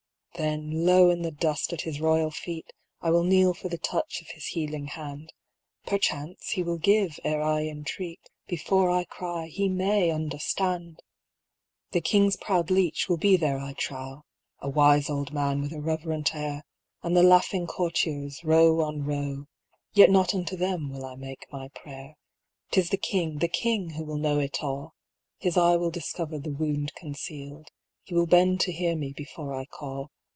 " Then low in the dust at his royal feet I will kneel for the touch of his healing hand ; Perchance he will give ere I entreat. Before I cry he may understand !*' The King's proud Leech will be there I trow — A wise old man with a reverent air — And the laughing courtiers, row on row ; Yet not unto them will I make my prayer. THE KING'S TOUCH 441 " 'Tis the King, the King, who will know it all. His eye will discover the wound concealed ; He will bend to hear me before I call.